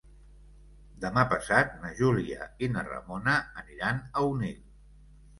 Demà passat na Júlia i na Ramona aniran a Onil.